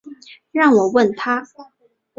让我问他